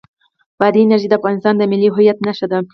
بادي انرژي د افغانستان د ملي هویت نښه ده.